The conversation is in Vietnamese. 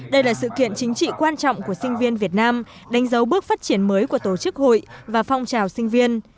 đây là sự kiện chính trị quan trọng của sinh viên việt nam đánh dấu bước phát triển mới của tổ chức hội và phong trào sinh viên